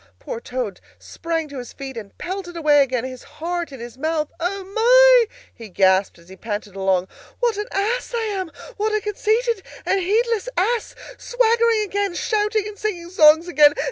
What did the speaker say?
Poor Toad sprang to his feet and pelted away again, his heart in his mouth. O, my!" he gasped, as he panted along, "what an ass I am! What a conceited and heedless ass! Swaggering again! Shouting and singing songs again!